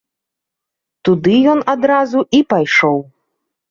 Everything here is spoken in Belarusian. Туды ён адразу і пайшоў.